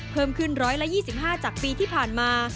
เพิ่มขึ้น๑๒๕จากปีที่ผ่านมา